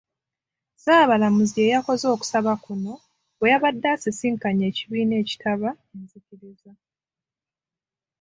Ssaabalamuzi ye yakoze okusaba kuno bwe yabadde asisinkanye ekibiina ekitaba enzikiriza.